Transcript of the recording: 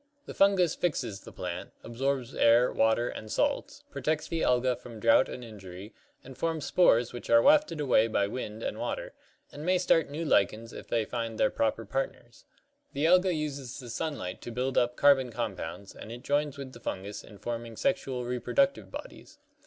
The Fungus fixes the plant, absorbs air, water and salts, protects the Alga from drought and injury, and forms spores which are wafted away by wind and water, and may start new lichens if they find their proper partners. The Alga uses the sunlight to build up carbon compounds, and it joins with the Fungus in forming sexual reproductive bodies.